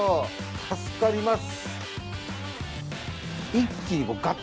助かります。